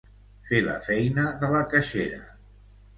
Fer la feina de la caixera.